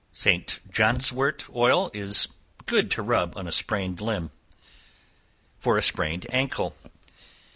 St. Johnswort oil is good to rub on a sprained limb. For a Sprained Ancle.